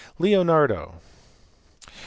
Leonardo*.